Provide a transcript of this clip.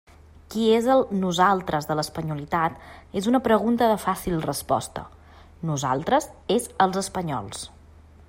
Qui és el «nosaltres» de l'espanyolitat és una pregunta de fàcil resposta: «nosaltres» és «els espanyols».